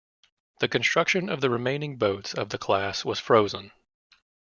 The construction of the remaining boats of the class was frozen.